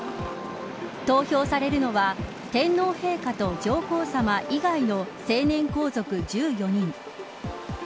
投票されるのは、天皇陛下と上皇さま以外の成年皇族１４人。